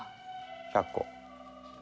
⁉１００個。